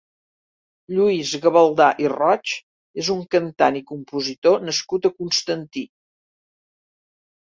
Lluís Gavaldà i Roig és un cantant i compositor nascut a Constantí.